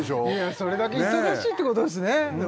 それだけ忙しいってことですね